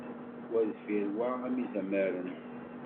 Wa deffir wa am izamaren.